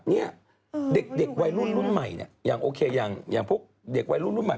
เด็กวัยรุ่นใหม่อย่างโอเคอย่างพวกเด็กวัยรุ่นใหม่